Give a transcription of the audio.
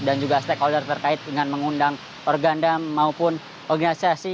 dan juga stakeholder terkait dengan mengundang organda maupun organisasi